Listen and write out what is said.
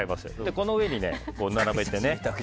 この上に並べてね。